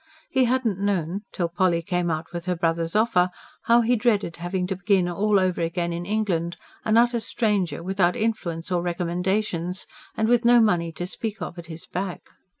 He had not known till Polly came out with her brother's offer how he dreaded having to begin all over again in England, an utter stranger, without influence or recommendations, and with no money to speak of at his back.